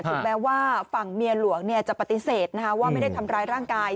ถูกแปลว่าฝั่งเมียหลวงเนี้ยจะปฏิเสธนะฮะว่าไม่ได้ทำร้ายร่างกาย